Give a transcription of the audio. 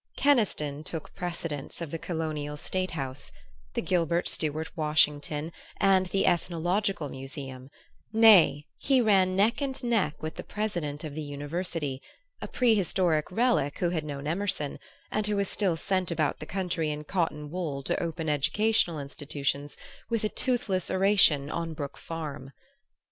Keniston took precedence of the colonial State House, the Gilbert Stuart Washington and the Ethnological Museum; nay, he ran neck and neck with the President of the University, a prehistoric relic who had known Emerson, and who was still sent about the country in cotton wool to open educational institutions with a toothless oration on Brook Farm.